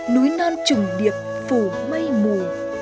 núi non trùng điệp phủ mây mù